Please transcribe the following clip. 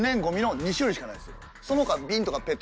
その他。